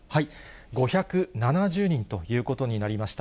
５７０人ということになりました。